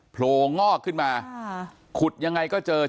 ซึ่งไม่ได้เจอกันบ่อย